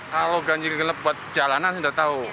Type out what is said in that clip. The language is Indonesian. kalau ganjil genap buat jalanan sudah tahu